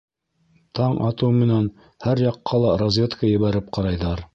Таң атыу менән һәр яҡҡа ла разведка ебәреп ҡарайҙар.